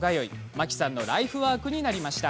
真紀さんのライフワークになりました。